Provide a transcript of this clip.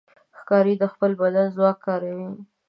ښکاري د خپل بدن ځواک کاروي.